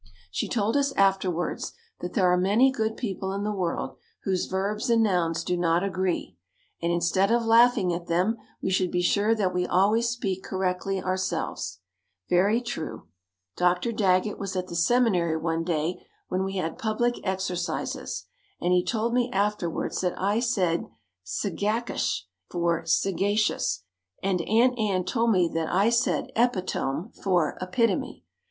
She told us afterwards that there are many good people in the world whose verbs and nouns do not agree, and instead of laughing at them we should be sure that we always speak correctly ourselves. Very true. Dr. Daggett was at the Seminary one day when we had public exercises and he told me afterwards that I said "sagac ious" for "saga cious" and Aunt Ann told me that I said "epi tome" for "e pit o me."